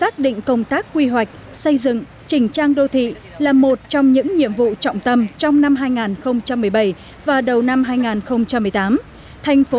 các bạn hãy đăng ký kênh để ủng hộ kênh của chúng mình nhé